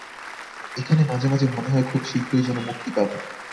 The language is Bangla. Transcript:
এখানে মাঝে মাঝে মনে হয়, খুব শীঘ্রই যেন মুক্তি পাব।